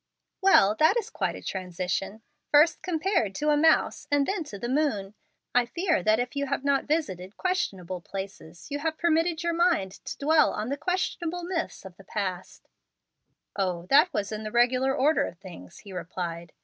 "Well, that is quite a transition. First compared to a mouse, and then to the moon. I fear that if you have not visited 'questionable places,' you have permitted your mind to dwell on the 'questionable' myths of the past. "O, that was in the regular order of things," he replied.